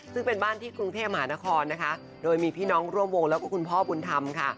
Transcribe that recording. ซึ่งเป็นบ้านที่กรุงเทพมหานครนะคะโดยมีพี่น้องร่วมวงแล้วก็คุณพ่อบุญธรรมค่ะ